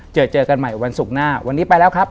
เจอเจอกันใหม่วันศุกร์หน้าวันนี้ไปแล้วครับ